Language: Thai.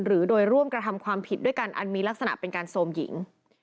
หรือโดยร่วมกระทำความผิดด้วยกันอันมีลักษณะเป็นการโทรมหญิง